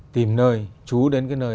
tìm nơi chú đến cái nơi